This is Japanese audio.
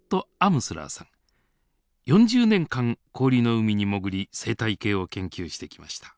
４０年間氷の海に潜り生態系を研究してきました。